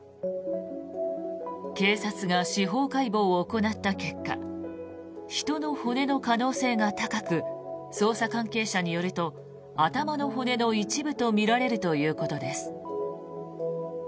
警察が司法解剖を行った結果人の骨の可能性が高く捜査関係者によると頭の骨の一部とみられるということです。